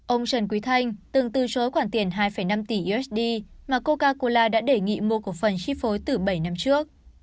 ông trần quý thanh từng từ chối khoản tiền hai năm tỷ usd mà coca cola đã đề nghị mua cổ phần chi phối từ bảy năm trước